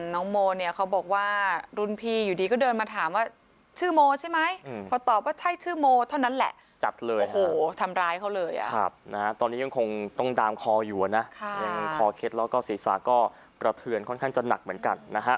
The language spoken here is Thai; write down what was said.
น้องโมเขาบอกว่ารุญพีอยู่ดีก็เดินมาถามว่า